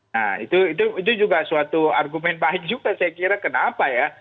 nah itu juga suatu argumen baik juga saya kira kenapa ya